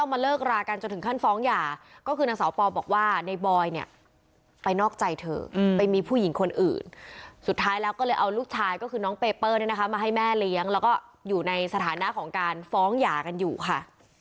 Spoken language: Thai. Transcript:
มาเลิกรากันจนถึงขั้นฟ้องหย่าก็คือนางสาวปอบอกว่าในบอยเนี่ยไปนอกใจเธอไปมีผู้หญิงคนอื่นสุดท้ายแล้วก็เลยเอาลูกชายก็คือน้องเปเปอร์เนี่ยนะคะมาให้แม่เลี้ยงแล้วก็อยู่ในสถานะของการฟ้องหย่ากันอยู่ค่ะ